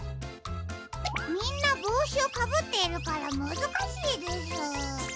みんなぼうしをかぶっているからむずかしいです。